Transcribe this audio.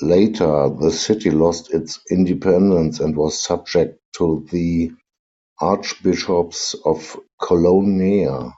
Later, the city lost its independence and was subject to the Archbishops of Colognea.